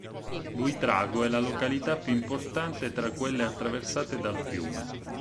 Buitrago è la località più importante tra quelle attraversate dal fiume.